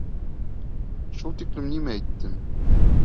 Шул тиклем нимә әйттем?